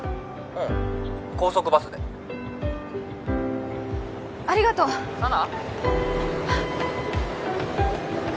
☎うん高速バスでありがとう☎佐奈？